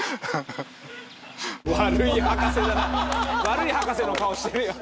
悪い博士の顔してるよ